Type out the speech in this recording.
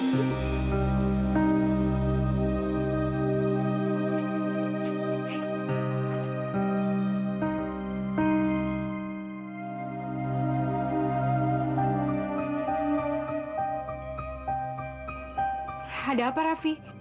apa yang kamu lakukan rafi